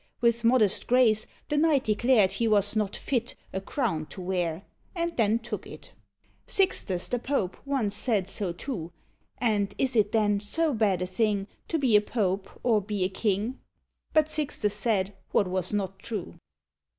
With modest grace The knight declared he was not fit A crown to wear, and then took it. Sixtus the Pope once said so, too; (And is it, then, so bad a thing To be a pope, or be a king?) But Sixtus said what was not true.